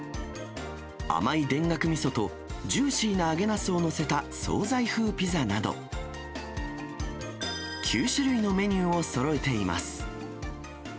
甘い田楽みそとジューシーな揚げナスを載せた総菜風ピザなど、９種類のメニューをそろえています。